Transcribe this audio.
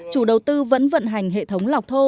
chủ đầu tư vẫn vận hành hệ thống lọc thô